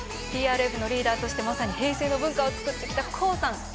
ＴＲＦのリーダーとしてまさに平成の文化をつくってきたＫＯＯさん。